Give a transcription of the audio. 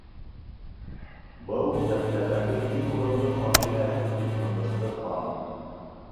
—Был дәфтәрҙәге иң боронғо ҡағиҙә, —тип ныҡышты Хан.